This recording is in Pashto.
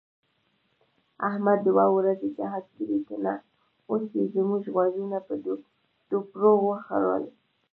احمد دوه ورځې جهاد کړی که نه، اوس یې زموږ غوږونه په دوپړو وخوړل.